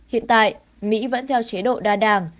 hiện tại mỹ vẫn theo chế độ đa đảng